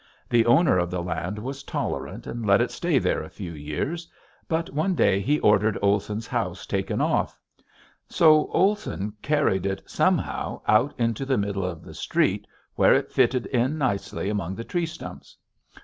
The owner of the land was tolerant and let it stay there a few years; but one day he ordered Olson's house taken off. So Olson carried it somehow out into the middle of the street where it fitted in nicely among the tree stumps.